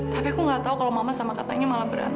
tapi aku nggak tahu kalau mama sama katanya malah berat